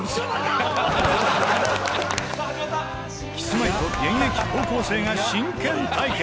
キスマイと現役高校生が真剣対決！